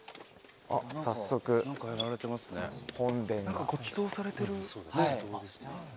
何かご祈祷されてる。